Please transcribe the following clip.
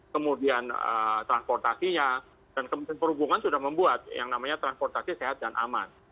kemudian transportasinya dan kementerian perhubungan sudah membuat yang namanya transportasi sehat dan aman